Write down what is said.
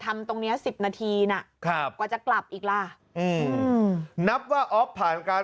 ทำตรงนี้๑๐นาทีนะกว่าจะกลับอีกล่ะนับว่าออฟผ่านการ